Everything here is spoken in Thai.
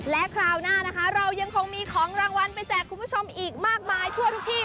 และคราวหน้านะคะเรายังคงมีของรางวัลไปแจกคุณผู้ชมอีกมากมายทั่วทุกที่